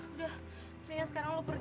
udah minggir sekarang lu pergi g